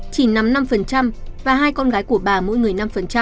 chỉ nắm năm và hai con gái của bà mỗi người năm